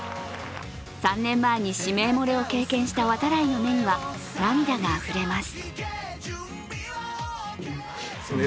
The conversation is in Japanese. ３年前に指名漏れを経験した度会の目には涙があふれます。